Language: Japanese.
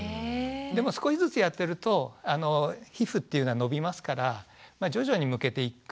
でも少しずつやってると皮膚っていうのはのびますから徐々にむけていく。